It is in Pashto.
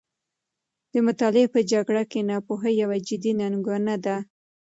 د مطالعې په جګړه کې، ناپوهي یوه جدي ننګونه ده.